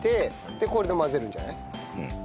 でこれで混ぜるんじゃない？